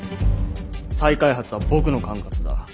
再開発は僕の管轄だ！